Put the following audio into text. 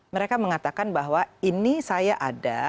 mereka mengatakan bahwa ini saya ada